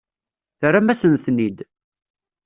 Terram-asen-ten-id?